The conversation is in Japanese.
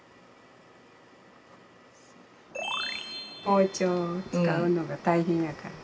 包丁を使うのが大変やから。